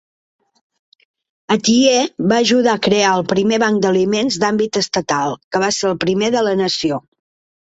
Atiyeh va ajudar a crear el primer banc d'aliments d'àmbit estatal, que va ser el primer de la nació.